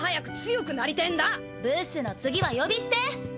ブスの次は呼び捨て！？